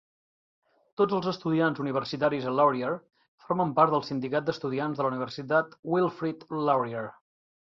Tots els estudiants universitaris a Laurier formen part del Sindicat d'Estudiants de la Universitat Wilfrid Laurier.